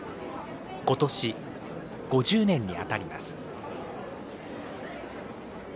ことし、５０年にあたります。